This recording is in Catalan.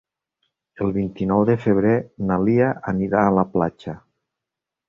El vint-i-nou de febrer na Lia anirà a la platja.